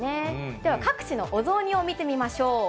では、各地のお雑煮を見てみましょう。